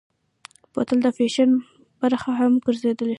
بوتل د فیشن برخه هم ګرځېدلې.